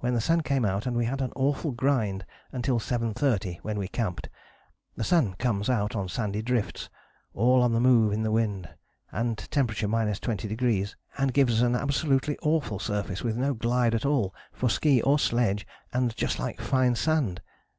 when the sun came out and we had an awful grind until 7.30 when we camped. The sun comes out on sandy drifts, all on the move in the wind, and temp. 20°, and gives us an absolutely awful surface with no glide at all for ski or sledge, and just like fine sand.